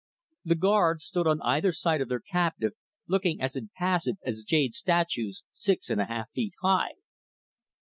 The guards stood on either side of their captive, looking as impassive as jade statues, six and a half feet high.